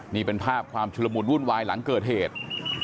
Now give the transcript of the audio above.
นี่เป็นภาพความชุดละมุนวุ่นวายหลังเกิดเหตุ